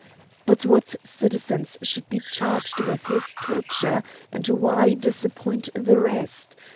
But what citizens should be charged with his torture, and why disappoint the rest?